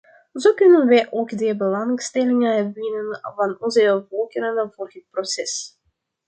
Zo kunnen wij ook de belangstelling winnen van onze volkeren voor het proces.